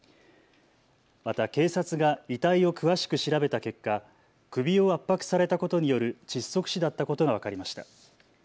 また警察が遺体を詳しく調べた結果、首を圧迫されたことによる窒息死だったことが分かりました。